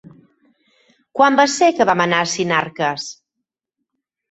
Quan va ser que vam anar a Sinarques?